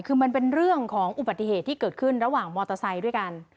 คือมันเป็นเรื่องของอุบัติเหตุที่เกิดขึ้นระหว่างมอเตอร์ไซค์ด้วยกัน